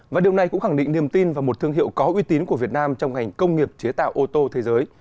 và điều này cũng khẳng định niềm tin vào một thương hiệu có uy tín của việt nam trong ngành công nghiệp chế tạo ô tô thế giới